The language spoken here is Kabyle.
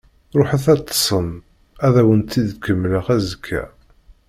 Ruḥet ad teṭṭsem, ad awen-tt-id-kemmleɣ azekka.